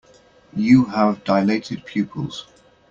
You have dilated pupils.